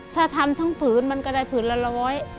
ถ้าทำทั้งผืนมันก็ได้ผืนละร้อย